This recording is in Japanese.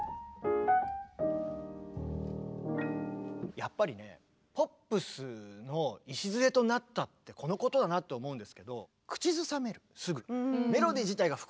やっぱりねポップスの礎となったってこのことだなと思うんですけどだからね